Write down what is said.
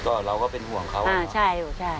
ก็เราก็เป็นห่วงเขาอย่างนั้นเหรอครับอ่าใช่ลูกใช่